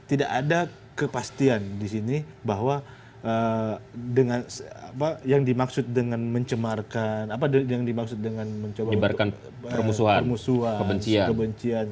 tidak ada kepastian di sini bahwa dengan apa yang dimaksud dengan mencemarkan apa yang dimaksud dengan menyebarkan permusuhan kebencian